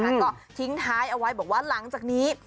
ก็ทิ้งท้ายเอาไว้บอกว่าหลังจากนี้